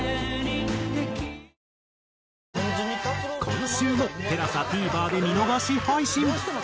今週もＴＥＬＡＳＡＴＶｅｒで見逃し配信。